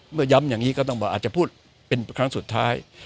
เมื่อย้ำอย่างนี้ก็ต้องบอกอาจจะพูดเป็นครั้งสุดท้าย